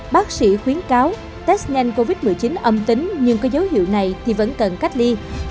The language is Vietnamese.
bác sĩ khuyến cáo test nhanh covid một mươi chín âm tính nhưng có dấu hiệu này thì vẫn cần cách ly